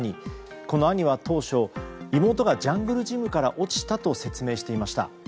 この兄は当初、妹がジャングルジムから落ちたと説明していました。